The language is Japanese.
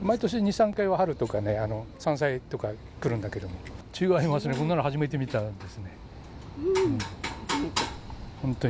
毎年２、３回は、春とか、山菜とか来るんだけども、違いますね、こんなの初めて見たですね。